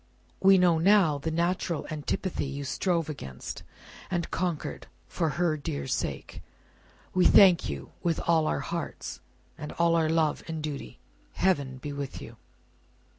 We know now, the natural antipathy you strove against, and conquered, for her dear sake. We thank you with all our hearts, and all our love and duty. Heaven be with you!"